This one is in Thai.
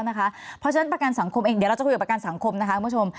เพราะฉะนั้นประกันสังคมเองเดี๋ยวเราจะคุยกับประกันสังคมนะคะคุณผู้ชม